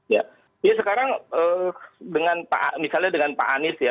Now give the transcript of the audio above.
ya sekarang dengan misalnya dengan pak anies ya